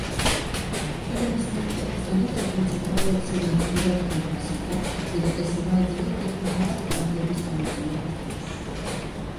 წოდების მინიჭებასთან ერთად მოცეკვავეებს ემატებოდათ ხელფასი და უპირატესობა ეძლეოდათ მთავარი პარტიების განაწილების დროს.